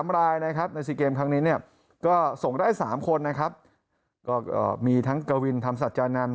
๓รายนะครับใน๔เกมครั้งนี้เนี่ยก็ส่งได้๓คนนะครับก็มีทั้งกวินธรรมสัจจานันท